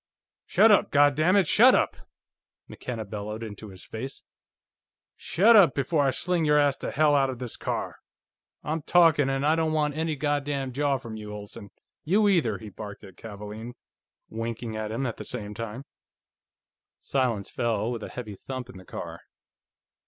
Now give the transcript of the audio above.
"Shut up, goddammit, shut up!" McKenna bellowed into his face. "Shut up before I sling your ass to hell out of this car! I'm talking, and I don't want any goddam jaw from you, Olsen. You either," he barked at Kavaalen, winking at him at the same time. Silence fell with a heavy thump in the car.